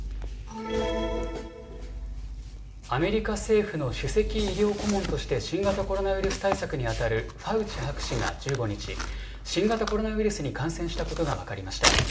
アメリカ政府の首席医療顧問として新型コロナウイルス対策にあたるファウチ博士が１５日新型コロナウイルスに感染したことが分かりました。